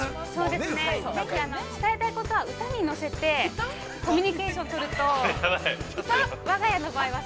ぜひ伝えたいことは、歌に乗せて、コミュニケーションを取ると。